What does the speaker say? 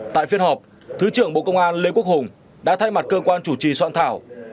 tại phiên họp thứ trưởng bộ công an lê quốc hùng đã thay mặt cơ quan chủ trì soạn thảo